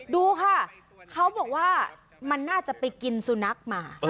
ดูค่ะเขาบอกว่ามันน่าจะไปกินสุนัขมา